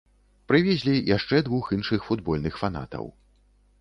Прывезлі яшчэ двух іншых футбольных фанатаў.